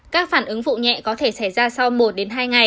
các phản ứng vụ nhẹ có thể xảy ra sau một hai ngày